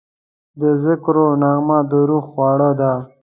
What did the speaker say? د ذکرو نغمه د روح خواړه ده.